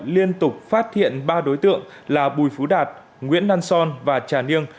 liên tục phát hiện ba đối tượng là bùi phú đạt nguyễn na son và trà niêng